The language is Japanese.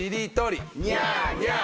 ニャーニャー。